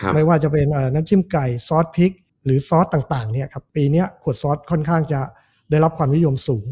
ไม่ว่าจะเป็นน้ำจิ้มไก่ซอสพริกหรือซอสต่างปีนี้ขวดซอสค่อนข้างจะได้รับความนิยมสูง